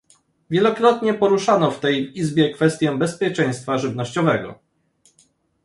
Wielokrotnie poruszano w tej Izbie kwestię bezpieczeństwa żywnościowego